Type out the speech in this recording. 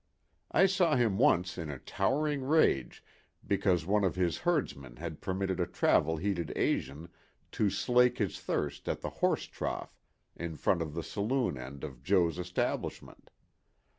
I saw him once in a towering rage because one of his herdsmen had permitted a travel heated Asian to slake his thirst at the horse trough in front of the saloon end of Jo.'s establishment.